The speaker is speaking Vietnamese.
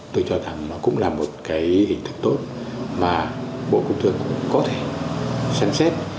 tôi cho rằng nó cũng là một hình thức tốt mà bộ công thương cũng có thể sáng xét